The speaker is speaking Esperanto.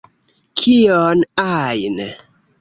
Kion ajn!